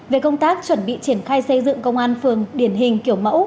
về công tác chuẩn bị triển khai xây dựng công an phường điển hình kiểu mẫu